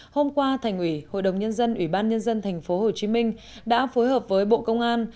hôm qua thành ủy hội đồng nhân dân ủy ban nhân dân tp hcm đã phối hợp với bộ công an